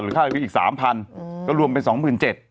หรือค่าอะไรอีก๓พันก็รวมเป็น๒หมื่น๗